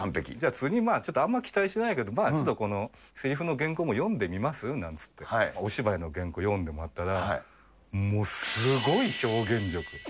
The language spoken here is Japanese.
次まあ、あんまり期待しないけど、まあちょっとこのせりふの原稿も読んでみます？なんて言って、お芝居の原稿読んでもらったら、もうすごい表現力。